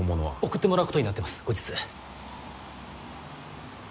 送ってもらうことになってます後日。